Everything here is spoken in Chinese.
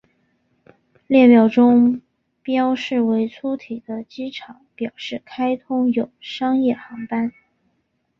列表中标示为粗体的机场表示开通有商业航班。